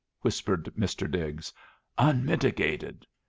whispered Mr. Diggs. "Unmitigated."